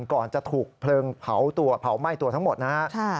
ก่อนจะถูกเพลิงเผาตัวเผาไหม้ตัวทั้งหมดนะฮะ